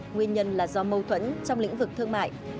nguyên nhân là do mâu thuẫn trong lĩnh vực thương mại